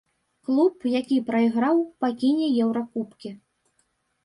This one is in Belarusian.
Клуб, які прайграў, пакіне еўракубкі.